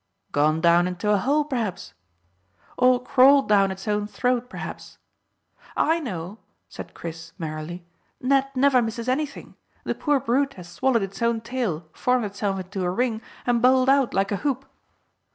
"Gone down into a hole, perhaps." "Or crawled down its own throat perhaps." "I know," said Chris merrily; "Ned never misses anything. The poor brute has swallowed its own tail, formed itself into a ring, and bowled out like a hoop."